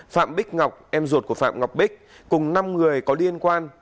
phạm bích ngọc em ruột của phạm ngọc bích cùng năm người có liên quan